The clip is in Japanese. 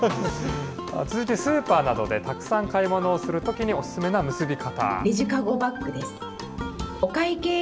続いてスーパーなどでたくさん買い物をするときにお勧めな結び方。